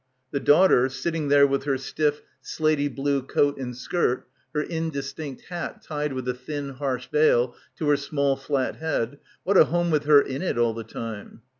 The daughter, sitting there with her stiff slatey blue coat and skirt, her indistinct hat tied with a thin harsh veil to her small flat head — what a home with her in it all the time.